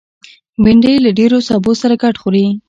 بېنډۍ له ډېرو سبو سره ګډ خوري